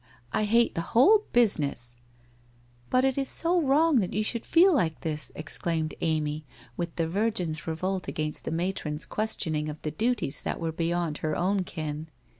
I hate the whole business/ ' But it is so wrong that you should feel like this !' exclaimed Amy, with the virgin's revolt against the ma tron's questioning of the duties that were beyond her own ken.